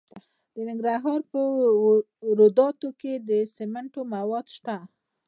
د ننګرهار په روداتو کې د سمنټو مواد شته.